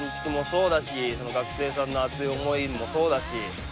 そうだし学生さんの熱い思いもそうだし。